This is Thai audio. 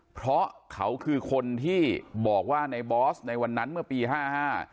เพราะเขาคือคนที่บอกว่าในบอสในวันนั้นเมื่อปีห้าห้า